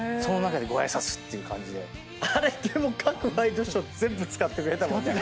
あれでも各ワイドショー全部使ってくれたもんね。